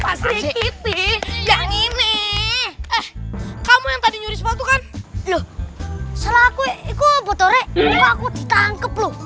pasti kita yang ini kamu yang tadi nyuri sepatu kan loh selaku itu botolnya aku ditangkap lu